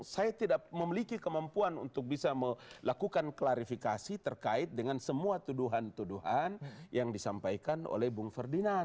saya tidak memiliki kemampuan untuk bisa melakukan klarifikasi terkait dengan semua tuduhan tuduhan yang disampaikan oleh bung ferdinand